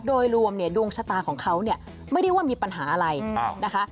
โดยรวมดวงชะตาของเขาไม่ได้ว่ามีปัญหาอะไรนะคะ